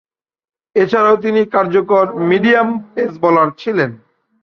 এছাড়াও তিনি কার্যকর মিডিয়াম পেস বোলার ছিলেন।